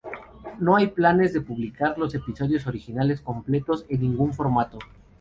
No hay planes de publicar los episodios originales completos en ningún formato.